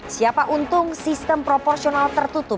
siapa untung sistem proporsional tertutup